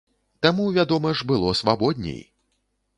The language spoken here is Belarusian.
Таму, вядома ж, было свабодней!